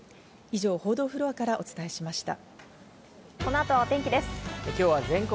以上、報道フロアからお伝えしました。